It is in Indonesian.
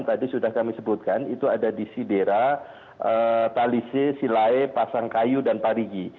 tadi sudah kami sebutkan itu ada di sidera talise silae pasangkayu dan parigi